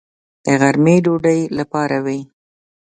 د غرمې ډوډۍ لپاره و.